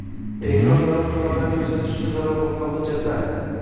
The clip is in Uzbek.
elektron davlat xizmati ko‘rsatish uchun zarur bo‘lgan hujjatlar